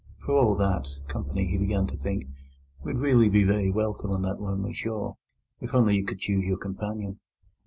For all that, company, he began to think, would really be very welcome on that lonely shore, if only you could choose your companion.